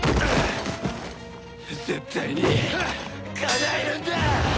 絶対にかなえるんだ！